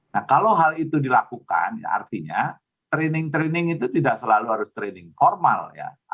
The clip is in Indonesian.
nah kalau hal itu dilakukan artinya training training itu tidak selalu harus training formal ya